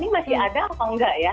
ini masih ada atau enggak ya